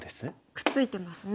くっついてますね。